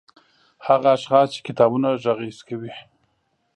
هغه اشخاص چې کتابونه غږيز کوي